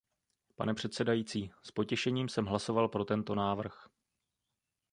Pane předsedající, s potěšením jsem hlasoval pro tento návrh.